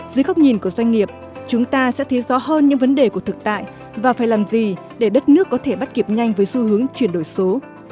dưới góc nhìn của doanh nghiệp chúng ta sẽ thấy rõ hơn những vấn đề của thực tại và phải làm gì để đất nước có thể bắt kịp nhanh với xu hướng chuyển đổi số